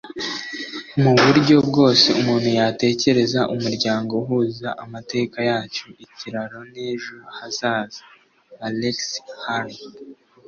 mu buryo bwose umuntu yatekereza, umuryango uhuza amateka yacu, ikiraro n'ejo hazaza. - alex haley